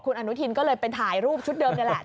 คุณอนุทินก็เลยไปถ่ายรูปชุดเดิมนี่แหละ